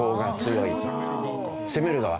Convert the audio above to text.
攻める側。